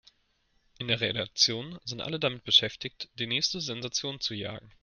In der Redaktion sind alle damit beschäftigt, die nächste Sensation zu jagen.